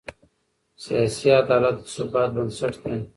سیاسي عدالت د ثبات بنسټ دی